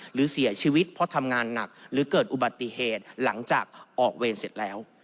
หรือเสียชีวิตเพราะทำงานหนักหรือเกิดอุบัติเหตุหลังจากออกเวรเสร็จแล้ว